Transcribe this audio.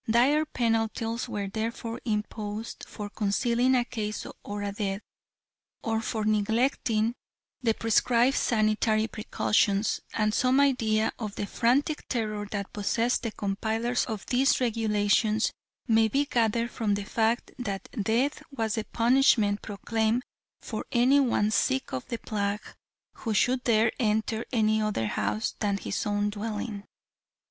Dire penalties were therefore imposed for concealing a case or a death, or for neglecting the prescribed sanitary precautions, and some idea of the frantic terror that possessed the compilers of these regulations may be gathered from the fact that death was the punishment proclaimed for any one sick of the plague who should dare enter any other house than his own dwelling.